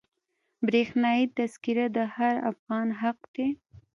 برښنایي تذکره د هر افغان حق دی.